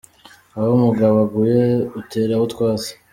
Aho umugabo aguye uteraho utwatsi.